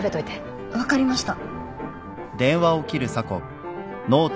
分かりました。